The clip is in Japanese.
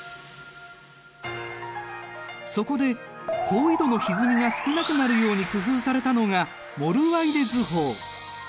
そこで高緯度のひずみが少なくなるように工夫されたのがモルワイデ図法。